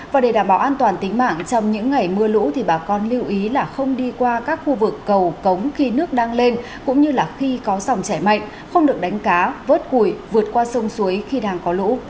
và để đảm bảo an toàn tính mạng trong những ngày mưa lũ thì bà con lưu ý là không đi qua các khu vực cầu cống khi nước đang lên cũng như là khi có dòng chảy mạnh không được đánh cá vớt cùi vượt qua sông suối khi đang có lũ